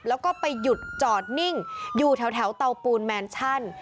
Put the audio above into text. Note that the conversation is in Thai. แล้วก็ไปหยุดจอดนิ่งอยู่แถวเตาปูนแมนชั่น